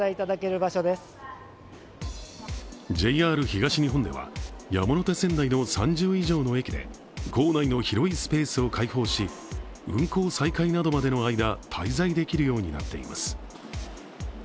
ＪＲ東日本では、山手線内の３０以上の駅で構内の広いスペースを開放し、運行再開などまでの間、滞在できるようになっています。